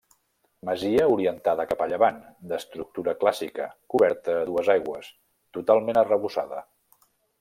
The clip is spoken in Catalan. Masia orientada cap a llevant d'estructura clàssica coberta a dues aigües, totalment arrebossada.